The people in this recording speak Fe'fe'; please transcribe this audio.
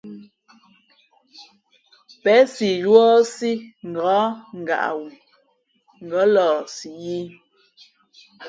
Pěn si yúάsí ngα̌k ngaʼ ghoo, ngα̌ lαhsi yī.